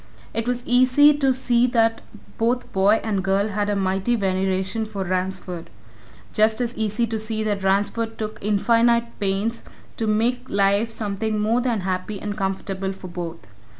It was easy to see that both boy and girl had a mighty veneration for Ransford; just as easy to see that Ransford took infinite pains to make life something more than happy and comfortable for both.